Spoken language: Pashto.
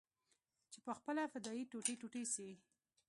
چې پخپله فدايي ټوټې ټوټې سي.